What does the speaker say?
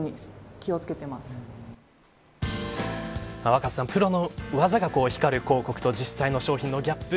若狭さん、プロの技が光る広告と実際の商品のギャップ